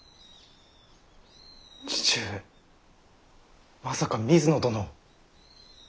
父上まさか水野殿を。